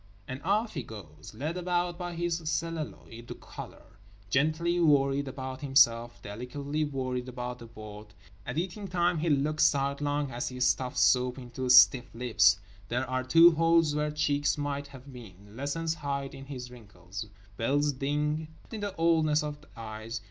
And off he goes; led about by his celluloid collar, gently worried about himself, delicately worried about the world. At eating time he looks sidelong as he stuffs soup into stiff lips. There are two holes where cheeks might have been. Lessons hide in his wrinkles. Bells ding in the oldness of eyes.